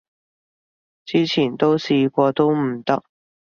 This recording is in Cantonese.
之前都試過都唔得